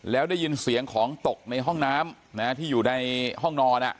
แล้วได้ยินเสียงของตกในห้องน้ำที่อยู่ในห้องนอน